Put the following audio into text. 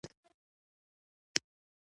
وردګ د افغانستان یو ډیر ښایسته ولایت ده.